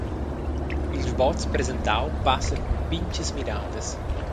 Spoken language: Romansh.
Il sboz presentau passa cun pintgas midadas.